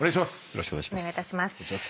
「よろしくお願いします」